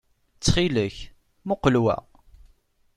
Ttxil-k, muqel wa.